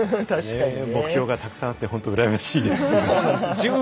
目標がたくさんあって本当、うらやましいです。